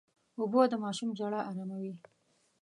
اوبه د ماشوم ژړا اراموي.